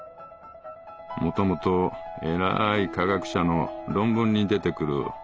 もともとエラーい科学者の論文に出てくるお猫様だ。